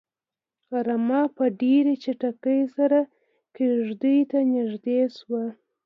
رمه په ډېرې چټکۍ سره کيږديو ته نږدې شوه.